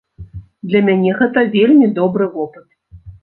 Для мяне гэта вельмі добры вопыт.